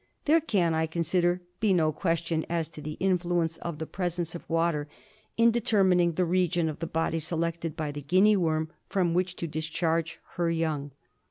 x There can, I consider, be no question as to the in fluence of the presence of water in determining the region of the body selected by the Gijinea worm from which to dis charge her young.